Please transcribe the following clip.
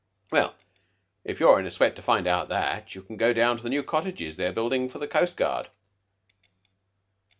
"Well, if you're in a sweat to find out that, you can go down to the new cottages they're building for the coastguard."